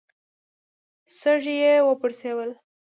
سږي يې وپړسول.